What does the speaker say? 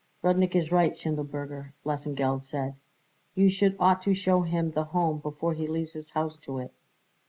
"Rudnik is right, Schindelberger," Lesengeld said; "you should ought to show him the Home before he leaves his house to it."